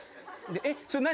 えっそれ何？